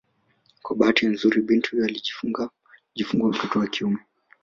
Kwa bahati nzuri binti huyo alijifungua mtoto wa kiume